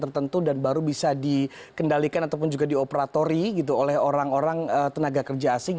tertentu dan baru bisa dikendalikan ataupun juga dioperatori gitu oleh orang orang tenaga kerja asing